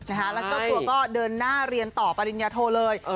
แล้วก็ตัวก็เดินหน้าเรียนต่อปริญญาโทเลย